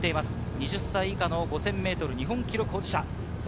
２０歳下５０００ｍ日本記録保持者。